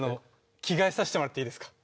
着替えさせてもらっていいですか？